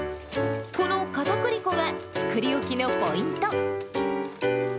このかたくり粉が作り置きのポイント。